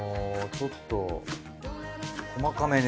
ちょっと細かめで。